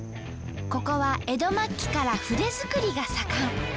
ここは江戸末期から筆作りが盛ん。